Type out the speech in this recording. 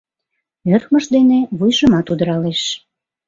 Ӧрмыж дене вуйжымат удыралеш.